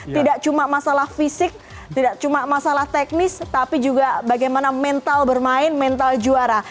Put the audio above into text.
tidak cuma masalah fisik tidak cuma masalah teknis tapi juga bagaimana mental bermain mental juara